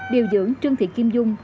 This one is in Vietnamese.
điều dưỡng trương thị kim dung